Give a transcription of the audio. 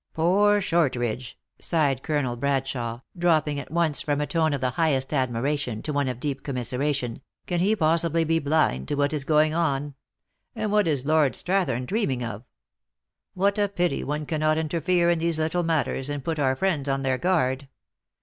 "Poor Shortridge!" sighed Colonel Bradshawe, dropping at once from a tone of the highest admira tion to one of deep commiseration, " can he possibly be blind to what is going on? And what is Lord Strathern dreaming of! What a pity one cannot in terfere in these little matters, and put our friends on their guard